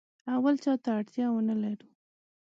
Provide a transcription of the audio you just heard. او بل چاته اړتیا ونه لرو.